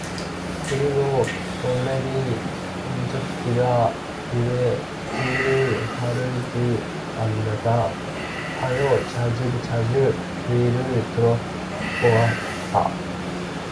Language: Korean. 그리고 불행히 옥점이가 그의 뒤를 따르지 않는가 하여 자주자주 뒤를 돌아보았다.